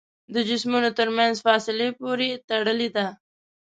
د جسمونو تر منځ فاصلې پورې تړلې ده.